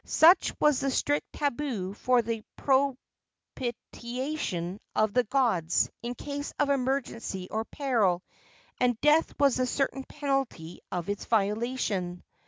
Such was the strict tabu for the propitiation of the gods in case of emergency or peril, and death was the certain penalty of its violation.